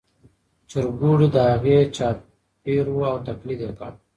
چرګوړي له هغې چاپېر وو او تقلید یې کاوه.